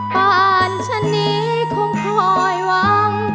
ปานชะนีคงคอยวัง